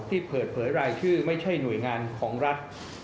ที่เปิดเผยรายชื่อไม่ใช่หน่วยงานของรัฐ